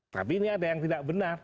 tapi ini ada yang tidak benar